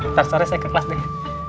ntar sore saya ke kelas dengan